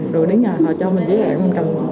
rồi đến nhà họ cho mình giấy ẻ mình cầm